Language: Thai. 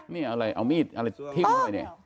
นี่อะไรเอามีดอะไรทิ้งเข้าไปเนี่ย